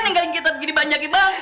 nenggali kita begini banyak bang